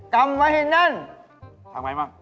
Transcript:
กำไว้ให้นั่นทำไมมั้ง